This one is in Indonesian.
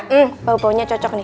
hmm bau baunya cocok nih